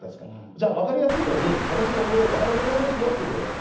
じゃ分かりやすいように私が「笑いどころですよ」っていうとこで手上げますから。